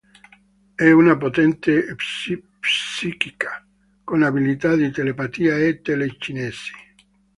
È una potente psichica con abilità di telepatia e telecinesi.